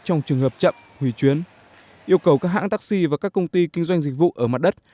trong trường hợp chậm hủy chuyến yêu cầu các hãng taxi và các công ty kinh doanh dịch vụ ở mặt đất